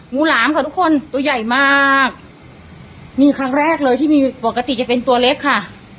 หลามค่ะทุกคนตัวใหญ่มากมีครั้งแรกเลยที่มีปกติจะเป็นตัวเล็กค่ะ